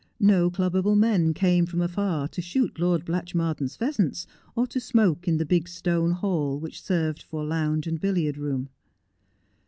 No clubable men came from afar to shoot Lord Blatchmardean's pheasants, or to smoke in the big stone hall which served for lounge and billiard room.